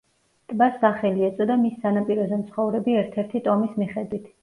ტბას სახელი ეწოდა მის სანაპიროზე მცხოვრები ერთ-ერთი ტომის მიხედვით.